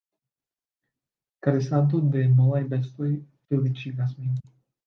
Karesado de molaj bestoj feliĉigas min.